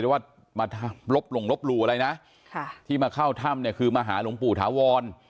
ว่ามาลบหลงลบหลู่อะไรนะที่มาเข้าถ้ำเนี่ยคือมาหาหลวงปู่ถาวร